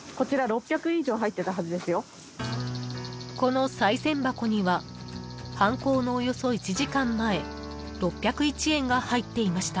［このさい銭箱には犯行のおよそ１時間前６０１円が入っていました］